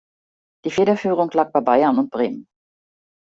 Die Federführung lag bei Bayern und Bremen.